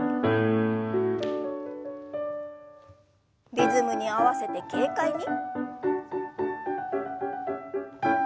リズムに合わせて軽快に。